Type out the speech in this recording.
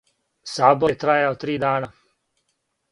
Сабор је трајао три дана.